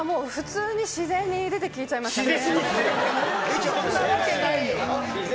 いやもう、普通に自然に出てきちゃいましたね。